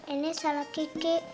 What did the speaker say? ini salah kiki